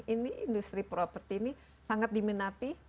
ini industri properti ini sangat diminati